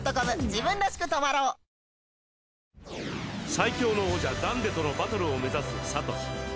最強の王者ダンデとのバトルを目指すサトシ。